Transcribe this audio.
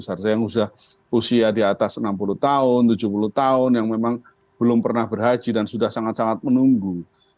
artinya yang sudah usia di atas enam puluh tahun tujuh puluh tahun yang memang belum pernah berhaji dan sudah sangat sangat menunggu